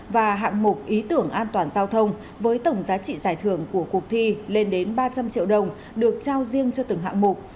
và hạng mục ý tưởng an toàn giao thông với tổng giá trị giải thưởng của cuộc thi lên đến ba trăm linh triệu đồng được trao riêng cho từng hạng mục